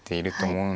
うん。